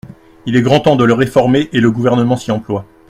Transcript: Il est grand temps de le réformer et le Gouvernement s’y emploie.